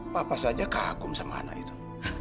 papa saja kagum sama anak itu